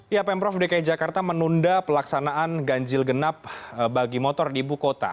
ya pemprov dki jakarta menunda pelaksanaan ganjil genap bagi motor di ibu kota